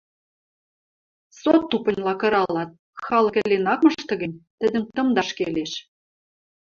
Со тупыньла кыралат, халык ӹлен ак мышты гӹнь, тӹдӹм тымдаш келеш...